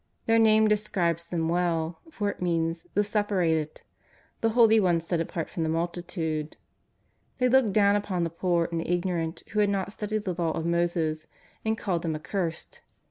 Their name describes them well, for it means'' the Separated," the holy ones set apart from the multitude. They looked down upon the poor and the ignorant who had not studied the Law of Moses, and called them " accursed."